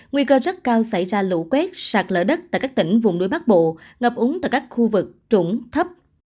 nguy cơ rất cao xảy ra lũ quét sạt lỡ đất tại các tỉnh vùng núi bắc bộ ngập úng tại các khu vực trũng thấp